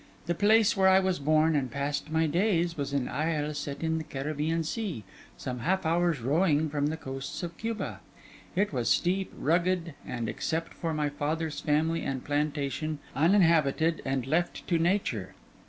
The place where I was born and passed my days was an isle set in the Caribbean Sea, some half hour's rowing from the coasts of Cuba. It was steep, rugged, and, except for my father's family and plantation, uninhabited and left to nature.